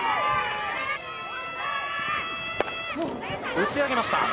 打ち上げました。